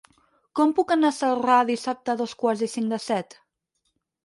Com puc anar a Celrà dissabte a dos quarts i cinc de set?